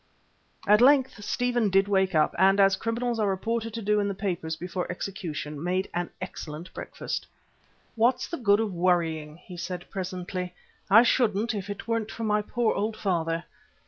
At length Stephen did wake up and, as criminals are reported to do in the papers before execution, made an excellent breakfast. "What's the good of worrying?" he said presently. "I shouldn't if it weren't for my poor old father.